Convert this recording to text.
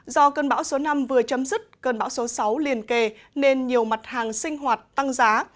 do cơn bão số năm vừa chấm dứt cơn bão số sáu liền kề nên nhiều mặt hàng sinh hoạt tăng giá